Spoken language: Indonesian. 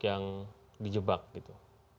sedang di jebak gitu